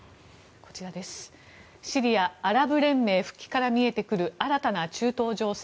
シリア、アラブ連盟復帰から見えてくる新たな中東情勢。